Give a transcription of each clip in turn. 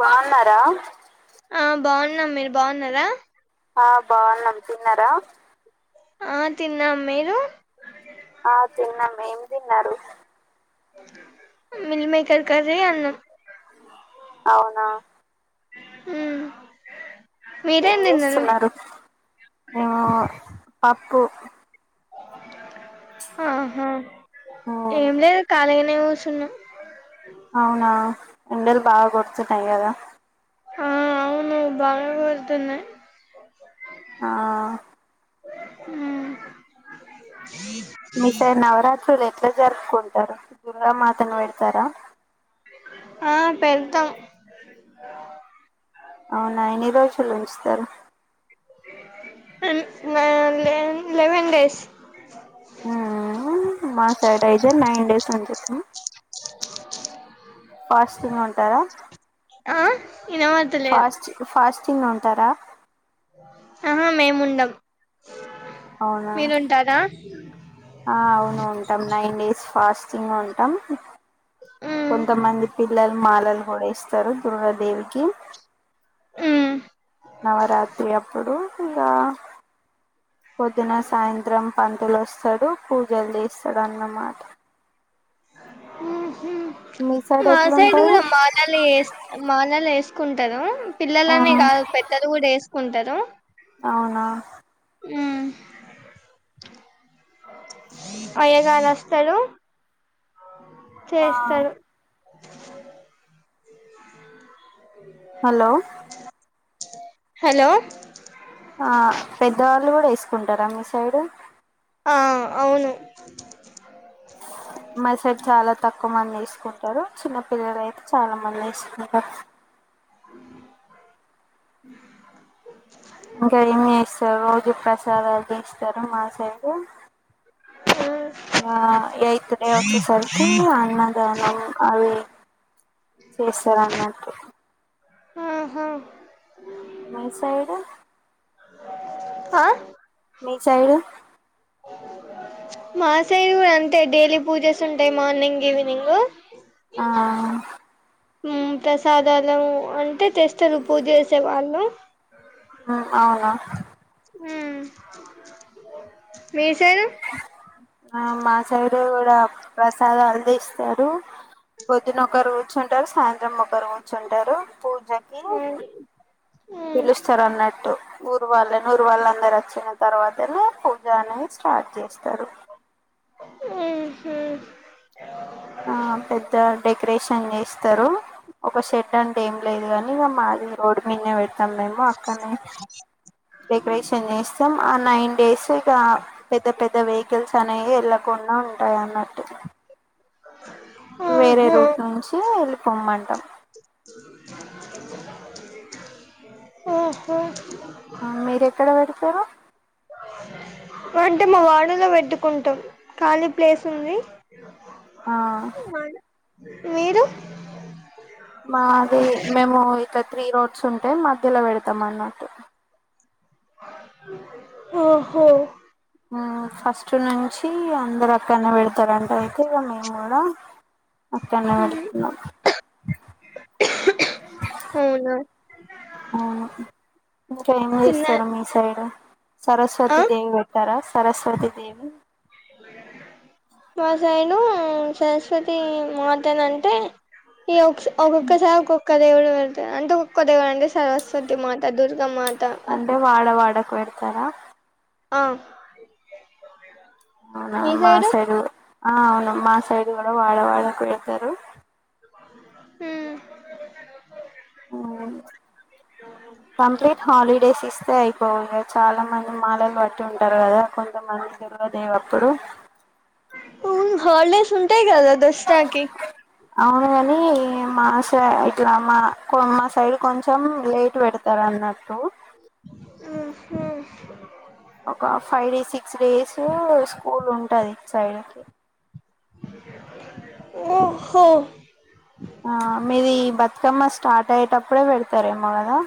బాగున్నారా? ఆ బాగున్నాం. మీరు బాగున్నారా? ఆ బాగున్నాం. తిన్నారా? ఆ తిన్నాం. మీరు ఆ తిన్నామ్. ఏం తిన్నారు? మీల్మేకర్ కర్రీ, అన్నం అవునా ఉ ఏం చేస్తున్నారు? మేము పప్పు ఆహా! ఉమ్, ఏం లేదు ఖాళీగానే కూర్చున్నాం. అవునా, ఎండలు బాగా కొడుతున్నాయి కదా. ఆ అవును బాగా పెడుతున్నాయి. ఆ మ్ మీ సైడ్ నవరాత్రులు ఎట్లా జరుపుకుంటారు? దుర్గామాతను పెడతారా? ఆ పెడతాం. అవునా, ఎన్ని రోజులు ఉంచుతారు. Eleven days. మా సైడ్ అయితే నైన్ డేస్ ఉంచచ్చు. ఫాస్టింగ్ ఉంటారా? వినపడుతాలేదు తిని ఉంటారా? ఉ హూ మేముండం మీరుంటారా అవునువును, ఉంటాం నైన్ డేస్ ఫాస్ట్ ఉంటాం. మ్మ్ కొంతమంది పిల్లలు మాలలు కూడ వేస్తారు దుర్గాదేవికి. మ్ ఇంకా పొద్దున, సాయంత్రం పంతులొస్తాడు. పూజలు చేస్తాడున్నమాట. మీ సైడ్ మాసైడ్ ఎట్లుంటది కూడా మాలలు మాలలు వేసు వేసుకుంటారు. ఆ పిల్లలని కాదు పెద్దలు కూడా వేసుకుంటారు. అవునా! మ్ అయగారువస్తారు. ఆ చేస్తారు హలో హలో సుకుంటారా మీ సైడ్ ఆ అవును మా సైడ్ చాలా తక్ క్కువ మంది ఇసుకుంటారు చిన్న పిల్లలు అయితే చాలా మంది ఇస్తుకుంటారు ఇంకా ఏం చేసారు రోజు ప్రసాదాలు తిస్తారు మా సైడ్ ఇగా ఆ ఎయిత్ డే వచ్చి సరికి అన్నాదానం అవి చేసార్ అన్నట్టు ఆహా మీ సైడు ఆ మీ చైడు మా సైడు గూడా అంతే డైలీ పూజెస్ ఉంటాయి మార్నింగ్ ఈవినింగ్ ఆ ప్రసాదాలు అంటే తెస్తరు పూజ్ చేసే వాళ్ళు హా అవునా హ్మ్మ్ మీ సైర్ ఆ మా సైడు కూడా ప్రసాదాలు దిస్తారు పొద్దున ఒకరు కూర్చుంటారు సాయంత్రం ఒకరు కూర్చుంటారు పూజకి పిలుస్తారు అన్నట్టు ఊరు వాళ్ళ ఊరు వాళ్ళ అందరు వచ్చిన తర్వాతనే పూజ అని ఆ చేస్తారు హ్మ్మ్ ఆ పెద్దా డె డెకరేషన్ చేస్తారు ఒక షెడ్ అంటే ఏం లేదు గాని ఇక మాది రోడ్ మీద పె కమ్ మేము అక్కనే డెకరేషన్ చేస్తాం ఆ నైన్ డేస్ ఇక పెద్ద పెద్ద వెహికల్స్ అనేవి వెళ్ళకుండా ఉంటాయి అన్నట్టు వేరే ఆహా రూట్ నుంచి వెళ్ళిపోమ్మంటాం ఉమ్మ్ మీరూ ఎక్కడ పెడతారు అంటే మా వాడలో పెట్టుకుంటాం ఖాళీ ప్లేస్ ఉంది ఆ మీరు మాది మేము ఇక్క త్రీ రోడ్స్ ఉంటే మధ్యలో పెడతాం అన్నట్టు ఓహో ఫస్ట్ నుంచి అందరు అక్కడనే పెడతారంట అయితే మేము కూడా అక్కడనే పెడుతున్నాం అవునా అవును ఇంకా ఏమి తిన్న చేస్తారా మీ సైడ్ ఆ సరస్వతి దేవి పెట్టారా సరస్వతి దేవి మా సైడు సరస్వతి మాతన్ అంటే ఈ ఒ ఒక్కొక్కసారి ఒక్కొక్క దేవుడుడ అంటే ఒక్కొక్క దేవుడ్ అంటే సరస్వతి మాతా దుర్గా మాత అ తారా ఆ అవునా మా సైడు ఆ అవును మాసైడు కూడా వాడ వాడ కి పెడుతరు హ్మ్మ్ ఉమ్, తై అయిపో లే చాలా మంది మాలలు పట్టి ఉంటారు గదా కొంతమంది దుర్గమ్మ దేవి అప్పుడు హ్ హాలిడేస్ ఉంటాయి. గాదా దసరా కి అవును కాని మా స ఇట్లా మా మా సైడ్ కొంచెం లేట్ పెడుతారు. అన్నట్టు హు హు ఒక five days six days school ఉంటది. సైడ్కి హ్ హో ఆ మీది ఈ బతుకమ్మ స్టార్ట్ అయ్యేటప్పుడే పెడతారేమో కదా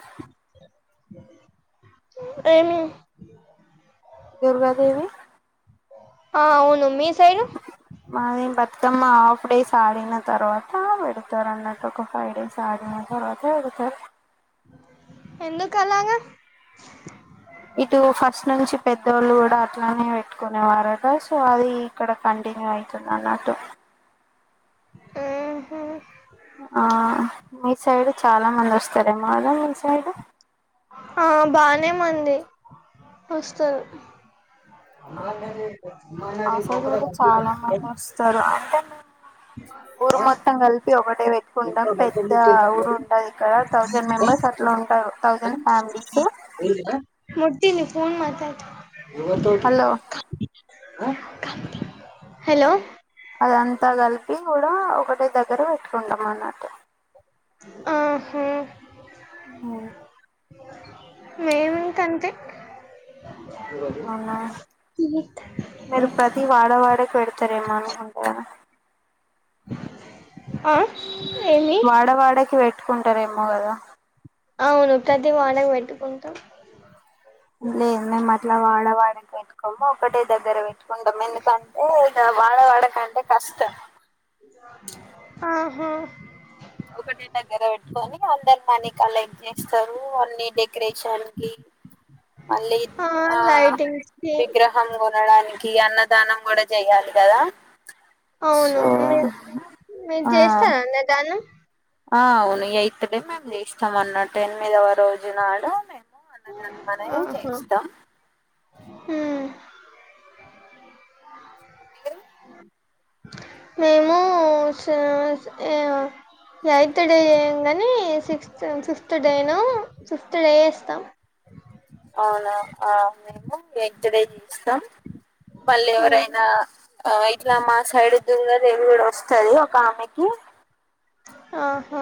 ఏమి దుర్గాదేవి ఆ అవును మీ సైడు మది బతుకమ్మ ఆఫ్ డేస్ ఆడిన తర్వాత పెడతారు. అన్నట్టు ఒక ఫైవ్ డేస్ ఆడిన తర్వాత పెడతారు. ఎందుకు అలగా ఇటు ఫస్ట్ నుంచి పెద్దోళ్ళు కూడా అట్లానే పెట్టుకునేవారట సో అది ఇక్కడ కంట్ టిన్యూ అయితంది. అన్నట్టు ఉహ్ ఆ మీ సైడ్ చాలా మంది వోస్తారేమో కదా మీ సైడ్ ఆ బానే మంది వోస్తారు. ఆ మా సైడ్ కూడా చాలా మంది వస్తారు. అంటే మేము ఊరు మొత్తం కలిపి ఒకటె ఇక్కడే పెట్టుకుంటాం. పెద్ద ఊరు ఉంటది. ఇక్కడ థౌజండ్ మెంబర్స్ అట్లా ఉంటారు. థౌసండ్ ఫ్యామిలీస్ వద్దు నేను ఫోన్ మాట్లాడుతా హలో హలో అదంతా కలిపి కూడా ఒకటే దగ్గర పెట్టుకుంటాం. అన్నట్టు ఉహ్ హ్ మేమింక అంతే అవునా [unintelligible] మీరు ప్రతి వాడ వాడకి పెడతారేమో అనుకుంటు గాదా ఆ ఏమి వాడవాడకి పెట్టుకుంటారేమో గాదా అవును ప్రతి వాడకి పెట్టుకుంటం. లేదు. మేము అట్లా వాడవాడకి పెట్టుకోము ఒక్కటే దగ్గర పెట్టుకుంటాము. ఎందుకంటే వాడ వాడకంటే కష్టం. హ్ ఒక్కటే దగ్గర పెట్టుకొని అందరు మని కలెక్ట్ చేస్తారు. అన్ని డెకరేషన్ కి మళ్ళీ ఆ లైటింగ్స్ కి విగ్రహం కొనడానికి ఇగ అన్నదానం కూడా చెయ్యాలి. గాదా అవును. మీ మీరు ఆ చేస్తార అన్న దానం ఆ అవును ఇగ ఇప్పుడే మేము చేస్తాం అన్నట్టు ఎనిమిదవ రోజు నాడు మేం అన్నదనం అనేది చేయిస్తాం. హ్ మీరు మేము సాస [unintelligible] ఎయిత్ డే చేయం కానీ సిక్స్త్ ఫిఫ్త్ డేనో ఫిఫ్త్ డే చేస్తం. అవునా. ఆ మేము ఎయిత్ డే చేస్తాం మల్లి ఎవరు హ్మ్ ఆయినా ఇట్ల మా సైడ్ దుర్గాదేవి కూడా వోస్తది. ఒక ఆమెకి ఆహా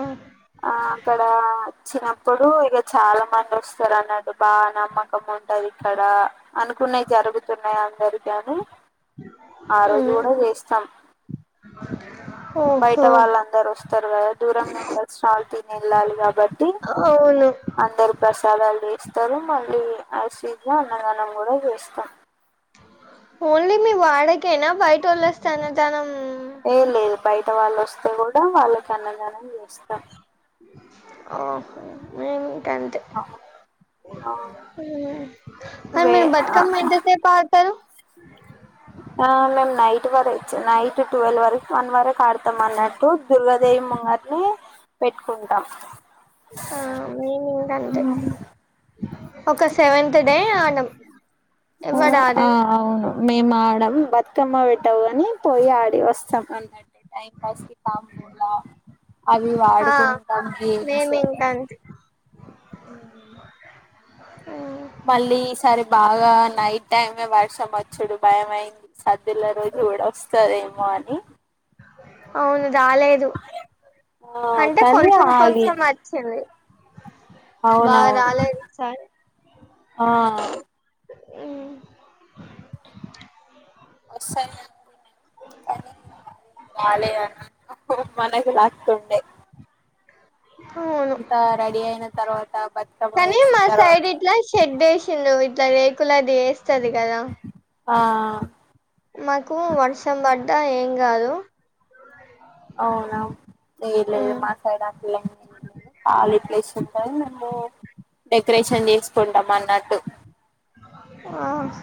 ఓచ్చినప్పుడు ఇగా చాలా మంది వస్తారు అన్నాట్టు బాగా నమ్మకం ఉంటది. ఇక్కడ అనుకు న్నాయి జరుగుతున్నాయి. అందరికి అని ఆ రోజు హ్మ్ కూడా చేస్తాం. బయట ఓహో వాళ్ళందరూ ఓస్తారు. గాదా దూరం నుంచి వచ్చిన వాళ్ళు తిని ఏళ్ళాలి. కాబట్టి అవును అందరు ప్రసదాలు చెస్ స్తారు మళ్ళీ ఐసీ లో అన్నదానం కూడా చేస్తాం ఓన్లీ మీ వాడకేనా బయట వాళ్ళొస్తే అన్నదానం ఏ లేదు బయట వాళ్ళు వస్తే కూడా వాళ్ళకి అన్నదానం చేస్తాం ఆ మే ఆ ఆ వే మీరు ఆ, బతుకమ్మ ఎంత సేపు ఆడుతారు ఆ మేము నైట్ వర ఇచ్చ నైట్ ట్వెల్వ్ వరకు వన్ వరకు ఆడతాం అన్నట్టు దుర్గదేవి మార్నింగ్ పెట్టుకుంటాం ఆ మేము ఇంక అంతే ఒక సెవెంత్ డే ఆడమ్ ఆ అవును మేము ఆడం బతుకమ్మ పెట్టి టైమ్ పోయి ఆడి వస్తాం అంటే టైం పాస్ కి [unintelligible] అవి ఆ వాడుకుంటాం గేమ్స్ మేము ఇంక అంతే ఆ మళ్ళీ ఈసారి బాగా నైట్ టైమే వర్షం వచ్చుడు భయమయింది సద్దుల రోజు కూడా వస్తారేమో అని అవును రాలేదు ఆ అంటే కానీ కొంచెం కొంచెం ఆగింది వచ్చింది బాగా అవునవును రాలేదు ఈసారి ఆ అ [unintelligible] రాలేదు [unintelligible] అవును అయిన తర్వాత బతుకమ్మ కానీ వేసిన మా తర్వాత సైడ్ ఇట్లా షెడ్ వేసింది ఇట్లా రేకులది వేస్తది కదా ఆ మాకు వర్షం పడ్డ ఏం కాదు అవున ఏం లే ఉమ్, మా సైడ్ అట్లా ఏం లే ఖాళీ ప్లేస్ ఉంటడి మేము డెకరేషన్ చేసుకుంటాం అన్నట్టు ఆ హ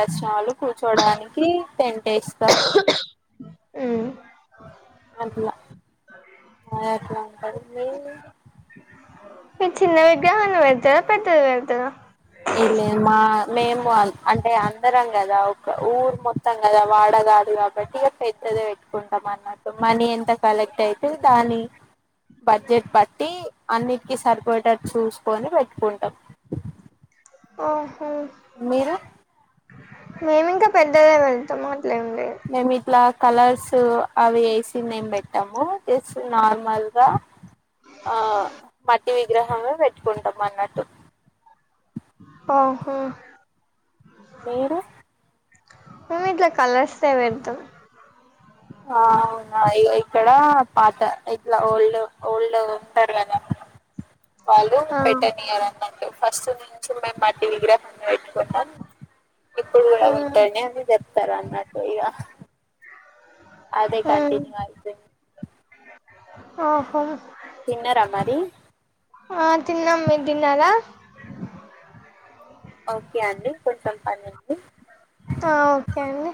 వచ్చినవాలు కూర్చోడానికి టెంట్ ఎస్తాం ఉమ్. అట్లా మాది అట్లా ఉంటది మీది మీ చిన్న విగ్రహాన్ని పెడతారా పెద్దది పెడతారా ఇ మా మేము అంటే అందరం కదా ఒక ఊరు మొత్తం కదా వాడ కాదు కాబట్టి ఇగా పెద్దది పెట్టుకుంటాం అన్నమాట మనీ ఎంత కలెక్ట్ అయితే దాని బడ్జెట్ బట్టి అన్నిటికి సరిపోయేటట్టు చూసుకొని పెట్టుకుంటాం ఓహో మీరు మేమి ఇంకా పెద్దదే పెడ్తం అట్లేంలేదు మేము ఇట్లా కలర్స్ అవి వేసి మేము పెట్టాము జస్ట్ నార్మల్ గా ఆ మట్టి విగ్రహమే పెట్టుకుంటాం అన్నట్టు ఆహ మీరు మేమి ఇట్లా కలర్స్తే పెడతాం ఆ అవునా ఇ ఇక్కడ పాత ఇట్లా ఓల్డ్ ఓల్డ్ ఉంటారు కదా వాళ్ళు ఆ పెట్టనియరు అన్నంట ఫస్ట్ నుండి మేం మట్టి విగ్రహాన్ని పెట్టుకుంటాము ఇప్పుడు కూడా ఉమ్, పెట్టండి అని అంటారు అన్నట్టు ఇగ అదే కంటిన్యూ అయితుంది ఆహో మరి ఆ తిన్నాము మీరూ తిన్నారా ఓకే అండి కొంచెం పనిఅంది ఆ ఓకే అండి